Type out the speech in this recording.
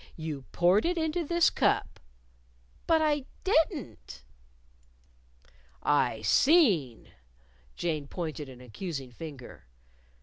You poured it into this cup." "But I didn't!" "I seen." Jane pointed an accusing finger.